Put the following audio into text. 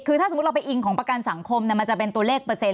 คือถ้าสมมุติเราไปอิงของประกันสังคมมันจะเป็นตัวเลขเปอร์เซ็น